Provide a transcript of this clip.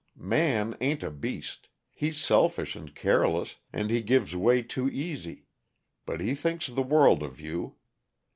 Man ain't a beast. He's selfish and careless, and he gives way too easy, but he thinks the world of you.